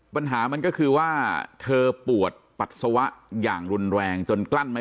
ปัญหามันก็คือว่าเธอปวดปัสสาวะอย่างรุนแรงจนกลั้นไม่